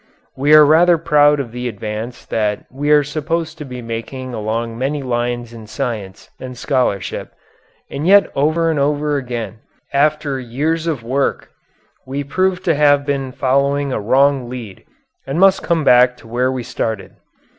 We are rather proud of the advance that we are supposed to be making along many lines in science and scholarship, and yet over and over again, after years of work, we prove to have been following a wrong lead and must come back to where we started.